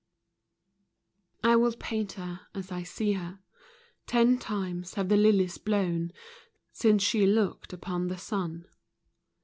J" WILL paint her as I see her : Ten times have the lilies blown Since she looked upon the sun.